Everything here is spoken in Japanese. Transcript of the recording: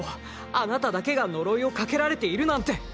あなただけが呪いをかけられているなんて！